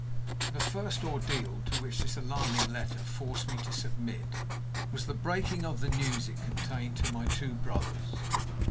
The first ordeal to which this alarming letter forced me to submit was the breaking of the news it contained to my two brothers.